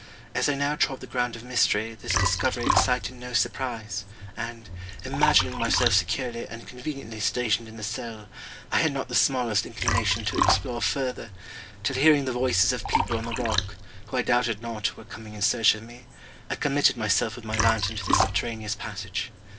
As I now trod the ground of mystery, this discovery excited no surprise; and, imagining myself securely and conveniently stationed in the cell, I had not the smallest inclination to explore further, till hearing the voices of people on the rock, who I doubted not were coming in search of me, I committed myself with my lantern to the subterraneous passage.